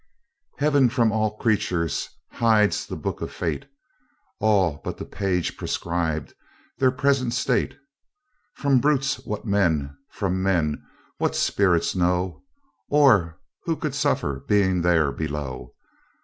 Heaven from all creatures hides the book of fate, All but the page prescribed, their present state: From brutes what men, from men what spirits know; Or who could suffer being here below?